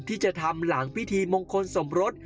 ที่จะทำหลังพิธีมงคลสมรส